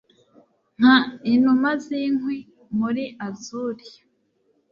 Nka inuma zinkwi muri azure